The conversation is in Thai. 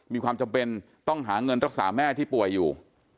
มีความจำเป็นต้องหาเงินรักษาแม่ที่ป่วยอยู่